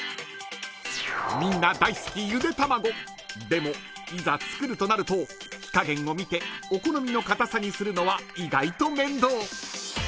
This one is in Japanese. ［でもいざ作るとなると火加減を見てお好みのかたさにするのは意外と面倒］